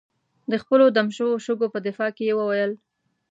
د خپلو دم شوو شګو په دفاع کې یې وویل.